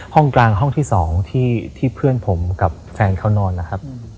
ห้องกลางห้องที่๒ที่เพื่อนผมกับแฟนเขานอนนะครับ